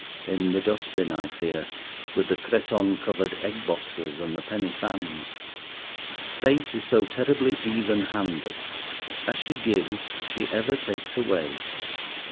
In the dustbin, I fear, with the cretonne covered egg boxes and the penny fans. Fate is so terribly even handed. As she gives she ever takes away.